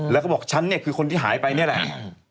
แล้วก็บอกฉันเนี่ยคือคนที่หายไปนี่แหละ